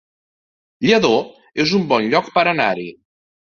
Lladó es un bon lloc per anar-hi